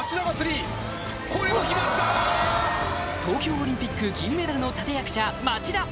東京オリンピック銀メダルの立役者・町田